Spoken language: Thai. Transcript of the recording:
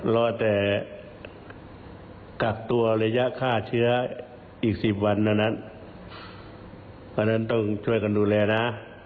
รอแต่กักตัวระยะฆ่าเชื้ออีก๑๐วันนั้นต้องช่วยกันดูแลนะ